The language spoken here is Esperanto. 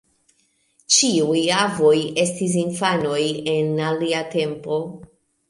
Ĉiuj avoj estis infanoj, en alia tempo.